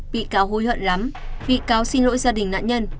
bị cáo hối hận lắm bị cáo xin lỗi gia đình nạn nhân